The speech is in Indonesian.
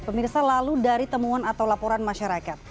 pemirsa lalu dari temuan atau laporan masyarakat